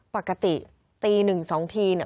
ปกติตีหนึ่งสองที